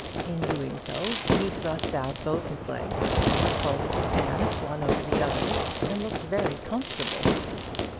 In doing so he thrust out both his legs, folded his hands one over the other, and looked very comfortable.